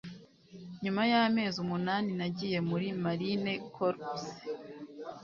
nyuma y'amezi umunani nagiye muri marine corps